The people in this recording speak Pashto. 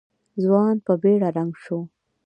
ځوان په بېړه رنګ شو.